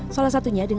dan juga banyak lagi